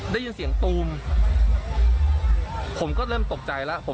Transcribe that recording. ได้ยินเสียงตูมผมก็เริ่มตกใจแล้วผม